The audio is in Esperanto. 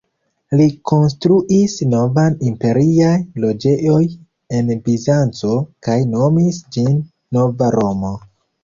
Li konstruis novan imperian loĝejon en Bizanco kaj nomis ĝin "Nova Romo".